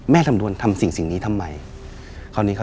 แม่ทำลวงทำสิ่งนี้ทำไม